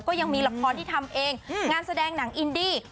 ก็ยังมีละครที่ทำเองงานแสดงหนังอินดี้